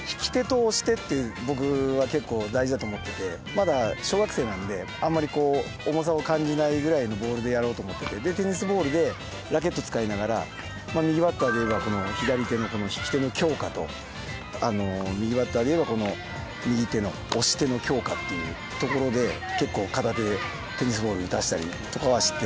まだ小学生なんであんまり重さを感じないぐらいのボールでやろうと思っててテニスボールでラケット使いながら右バッターでいえば左手の引き手の強化と右バッターでいえば右手の押し手の強化っていうところで結構片手でテニスボール打たしたりとかはしてるっていう感じです。